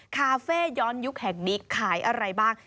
คาเฟ่ย้อนยุคแห่งนี้ขายอะไรบ้าง